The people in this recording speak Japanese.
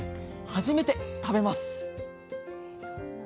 初めて食べます！